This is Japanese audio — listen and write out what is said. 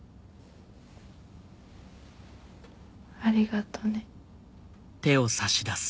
ありがとね。